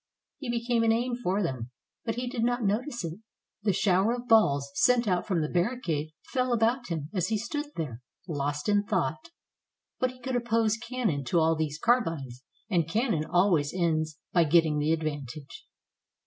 He became an aim for them, but he did not notice it. The shower of balls sent out from the barricade fell about him as he stood there, lost in thought. But he could oppose cannon to all these carbines, and cannon always ends by getting the advantage.